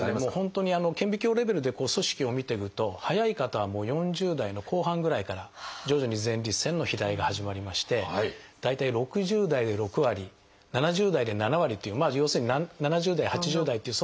本当に顕微鏡レベルで組織を見ていくと早い方はもう４０代の後半ぐらいから徐々に前立腺の肥大が始まりまして大体６０代で６割７０代で７割という要するに７０代８０代っていう